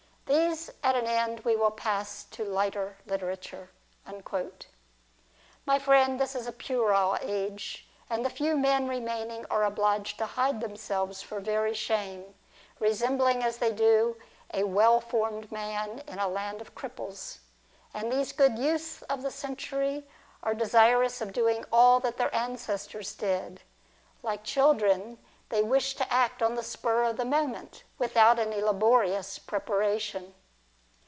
These at an end, we will pass to lighter literature." My friend, this is a puerile age, and the few men re maining are obliged to hide themselves for very shame, resembling, as they do, a well formed man in a land of cripples. And these good youths of the century are desirous of doing all that their ancestors did. Like children they wish to act on the spur of the moment, TRISTANO AND A FRIEND. 213 without any laborious preparation.